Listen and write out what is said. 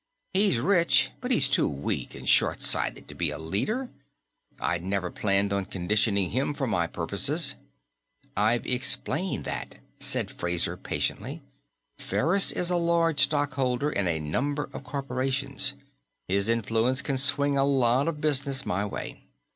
He's rich, but he's too weak and short sighted to be a leader. I'd never planned on conditioning him for my purposes." "I've explained that," said Fraser patiently. "Ferris is a large stockholder in a number of corporations. His influence can swing a lot of business my way."